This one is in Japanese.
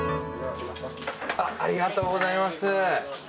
ありがとうございます。